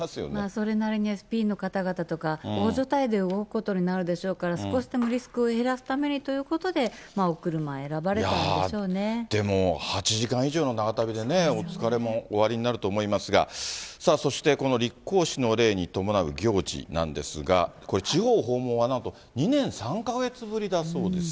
それなりにＳＰの方々とか大所帯で動くことになるでしょうから、少しでもリスクを減らすためにということで、お車選ばれたんでしでも、８時間以上の長旅でね、お疲れもおありになると思いますが、そしてこの立皇嗣の礼に伴う行事なんですが、地方訪問は、なんと２年３か月ぶりだそうです。